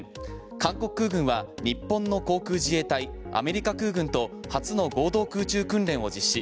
韓国軍は日本の航空自衛隊アメリカ空軍と初の合同空中訓練を実施。